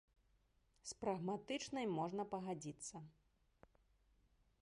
З прагматычнай можна пагадзіцца.